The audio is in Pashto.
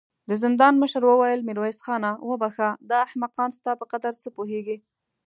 د زندان مشر وويل: ميرويس خانه! وبخښه، دا احمقان ستا په قدر څه پوهېږې.